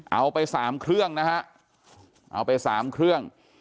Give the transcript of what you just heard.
เอาไปสามเครื่องนะฮะเอาไปสามเครื่อง